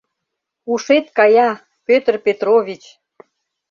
Ушет кая, Пӧтыр Петрович!